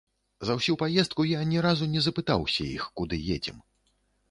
За ўсю паездку я ні разу не запытаўся іх, куды едзем.